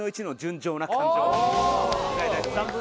歌いたいと思います